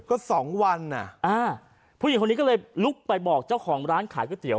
ก็สองวันอ่ะอ่าผู้หญิงคนนี้ก็เลยลุกไปบอกเจ้าของร้านขายก๋วยเตี๋